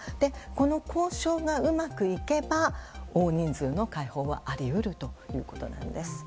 この交渉がうまくいけば大人数の解放はあり得るということです。